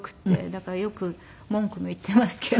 だからよく文句も言っていますけど。